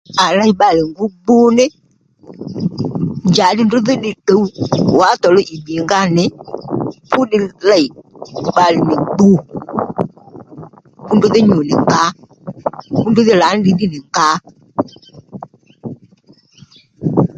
À léy bbalè ngú gbu ní njàddí ndrǔ dhí ddiy ddǔw wǎthò luw ì bbì nga nì fúddiy lêy bbalè nì gbù fú ndrú dhí nyû nì ngǎ fú ndrú dhí lǎní ddiy ddí nì ngǎ